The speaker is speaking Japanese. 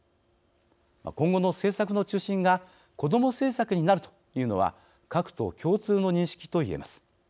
今後の政策の中心が子ども政策になるというのは各党共通の認識と言えます。